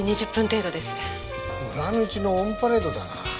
裏道のオンパレードだな。